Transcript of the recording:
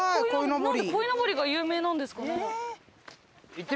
鯉のぼりが有名なんですかね？